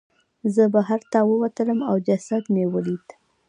زه بهر ته ووتلم او جسد مې ولید.